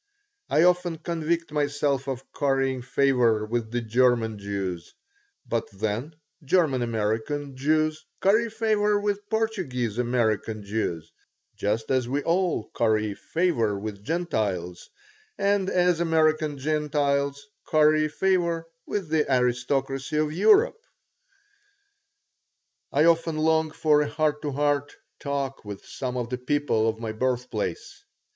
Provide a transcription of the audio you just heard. I often convict myself of currying favor with the German Jews. But then German American Jews curry favor with Portuguese American Jews, just as we all curry favor with Gentiles and as American Gentiles curry favor with the aristocracy of Europe I often long for a heart to heart talk with some of the people of my birthplace.